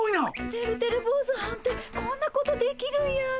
てるてる坊主はんってこんなことできるんやねえ。